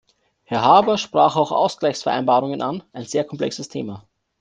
Herr Harbour sprach auch Ausgleichsvereinbarungen an, ein sehr komplexes Thema.